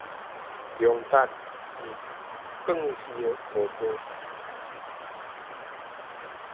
量值是鋼球的五倍